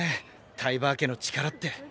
タイバー家の力って。